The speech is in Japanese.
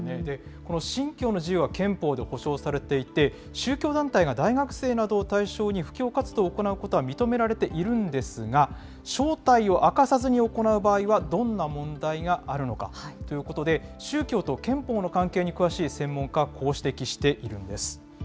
この信教の自由は憲法で保障されていて、宗教団体が大学生などを対象に布教活動を行うことは認められているんですが、正体を明かさずに行う場合はどんな問題があるのかということで、宗教と憲法の関係に詳しい専門家は、こう指摘しているんです。